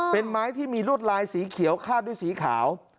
เป็นไม้ที่มีรวดลายสีเขียวคาดด้วยสีขาว